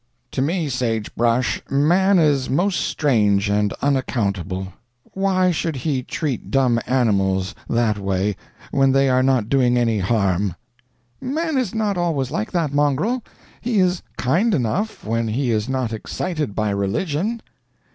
"To me, Sage Brush, man is most strange and unaccountable. Why should he treat dumb animals that way when they are not doing any harm?" "Man is not always like that, Mongrel; he is kind enough when he is not excited by religion."